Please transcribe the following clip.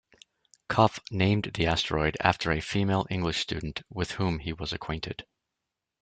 Kopff named the asteroid after a female English student with whom he was acquainted.